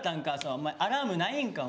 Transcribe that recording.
お前アラームないんか？